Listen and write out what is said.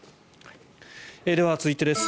では、続いてです。